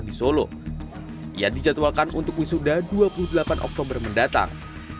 di solo ia dijadwalkan untuk wisuda dua puluh delapan oktober mendatang